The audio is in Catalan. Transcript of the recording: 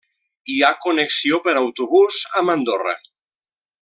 Hi ha connexió per autobús amb Andorra.